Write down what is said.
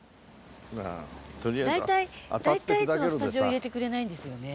大体大体いつもスタジオ入れてくれないんですよね。